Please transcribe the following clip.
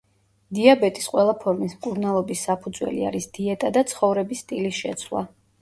დიაბეტის ყველა ფორმის მკურნალობის საფუძველი არის დიეტა და ცხოვრების სტილის შეცვლა.